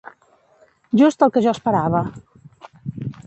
Just el que jo esperava.